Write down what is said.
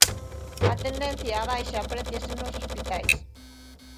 A tendencia á baixa apréciase nos hospitais.